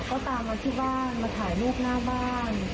ก็ตามมาที่บ้านมาถ่ายรูปหน้าบ้าน